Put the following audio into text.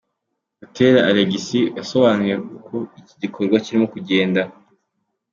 Butera Alegisi, yasobanuye uko iki gikorwa kirimo kugenda.